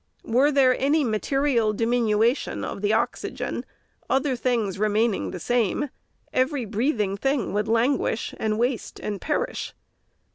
Were there any material diminution of the oxygen, other things remaining the same, every breathing thing would languish, and waste, and perish.